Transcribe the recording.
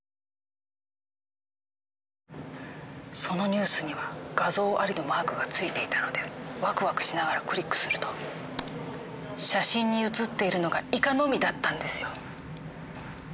そのニュースには「画像あり」のマークが付いていたのでワクワクしながらクリックすると写真に写っているのがイカのみだったんですよ！